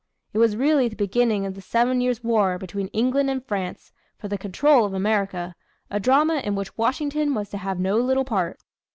It was really the beginning of the Seven Years' War between England and France, for the control of America a drama in which Washington was to have no little part.